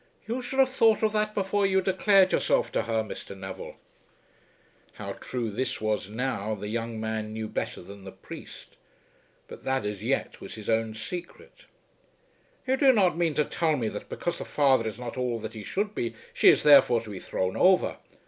"You should have thought of that before you declared yourself to her, Mr. Neville." How true this was now, the young man knew better than the priest, but that, as yet, was his own secret. "You do not mean to tell me that because the father is not all that he should be, she is therefore to be thrown over.